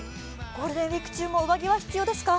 ゴールデンウイーク中も上着は必要ですか？